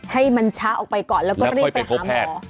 ให้มันชะออกไปก่อนแล้วก็เรียกไปหาหมอแล้วค่อยเป็นโภคแพทย์